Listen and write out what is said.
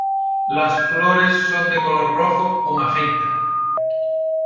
Las flores son de color rojo o magenta.